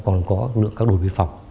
còn có lượng các đội biên phòng